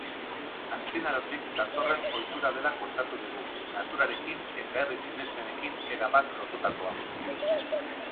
Antzinarotik datorren ohitura dela kontatu digu, naturarekin eta herri sinesmenekin erabat lotutakoa.